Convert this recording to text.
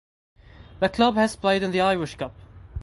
The club has played in the Irish Cup.